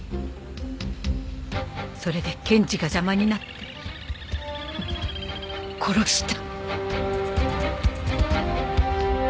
それで健治が邪魔になって殺した。